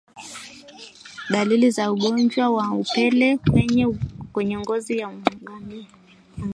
Dalili za ugonjwa wa upele kwenye ngozi ya ngamia